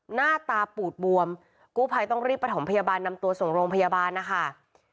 หน้าตาปูดบวมกู้ภัยต้องรีบประถมพยาบาลนำตัวส่งโรงพยาบาลนะคะ